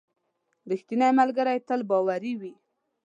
• رښتینی ملګری تل باوري وي.